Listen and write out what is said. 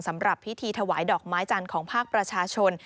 สำหรับพิธีถวายดอกไม้จันทร์ของภาคประชาชน